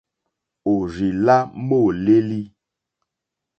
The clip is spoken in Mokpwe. Òrzì lá môlélí.